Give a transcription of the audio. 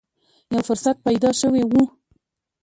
یو فرصت پیدا شوې و